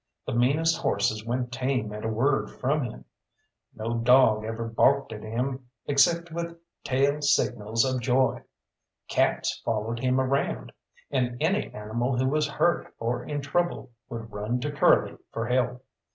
The meanest horses went tame at a word from him; no dog ever barked at him except with tail signals of joy; cats followed him around, and any animal who was hurt or in trouble would run to Curly for help.